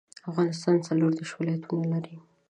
افغانستان څلوردیرش ولایاتونه لري